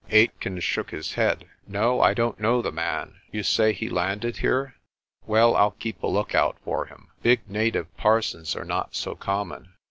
Aitken shook his head. "No, I don't know the man. You say he landed here? Well, I'll keep a lookout for him. Big native parsons are not so common."